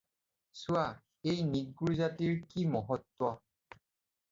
চোৱা, এই নীগ্ৰো জাতিৰ কি মহত্ত্ব।